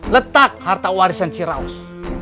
letak harta warisan ciraus